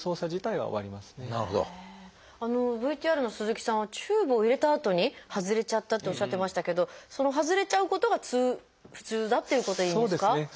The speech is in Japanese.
ＶＴＲの鈴木さんはチューブを入れたあとに外れちゃったっておっしゃってましたけどその外れちゃうことが普通だっていうことでいいんですか？